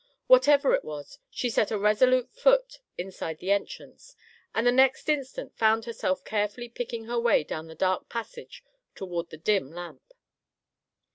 Whatever it was, she set a resolute foot inside the entrance, and the next instant found herself carefully picking her way down the dark passage toward the dim lamp.